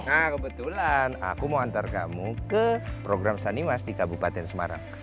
nah kebetulan aku mau antar kamu ke program sanimas di kabupaten semarang